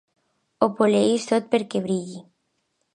Ho poleix tot perquè brilli.